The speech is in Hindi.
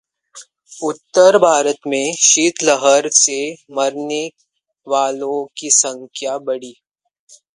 उत्तर भारत में शीत लहर से मरने वालों की संख्या बढ़ी